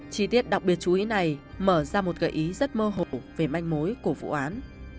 chí tiết đọc biệt chú ý này mở ra một gợi ý rất mơ hổ về manh mối của vụ án